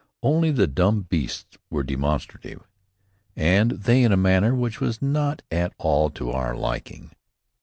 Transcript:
Only the dumb beasts were demonstrative, and they in a manner which was not at all to our liking.